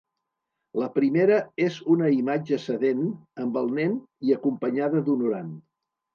La primera és una imatge sedent amb el nen i acompanyada d'un orant.